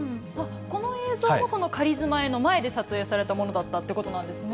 この映像も、その仮住まいの前で撮影されたものだったということなんですね。